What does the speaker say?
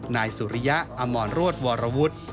นายสุริยะอมรรวดวรวุฒิ